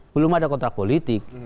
belum ada kontrak politik